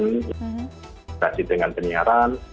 terima kasih dengan penyiaran